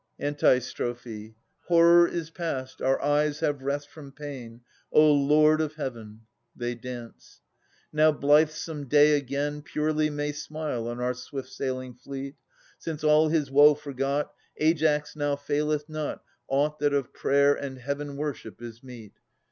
Antistrophe. Horror is past. Our eyes have rest from pain. O Lord of Heaven 1 [They dance. Now blithesome day again Purely may smile on our swift sailing fleet. Since, all his woe forgot, Aias now faileth not Aught that of prayer and Heaven worship is meet.